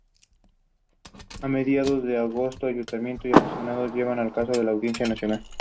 Cook hizo un par de números en solitario y un "sketch" con Eleanor Bron.